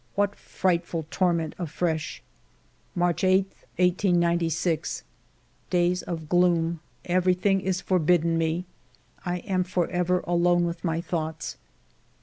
What frightful torment afresh ! March 8, 1896. Days of gloom! Everything is forbidden me; I am forever alone with mv thoughts.